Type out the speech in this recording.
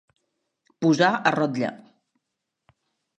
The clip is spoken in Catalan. Posar a rotlle.